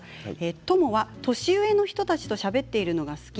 トモは年上の人たちとしゃべっているのが好き。